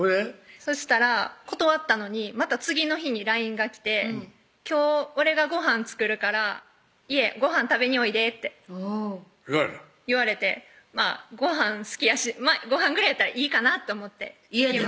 そしたら断ったのにまた次の日にＬＩＮＥが来て「今日俺がご飯作るから家ご飯食べにおいで」って言われた言われてご飯好きやしまぁご飯ぐらいやったらいいかなと思って家でも？